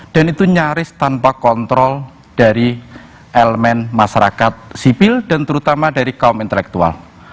dan itu nyaris tanpa kontrol dari elemen masyarakat sipil dan terutama dari kaum intelektual